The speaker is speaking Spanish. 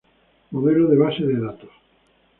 Modelo de base de datos